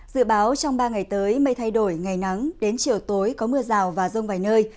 dự báo trong ba ngày tới mây thay đổi ngày nắng đến chiều tối có mưa rào và rông vài nơi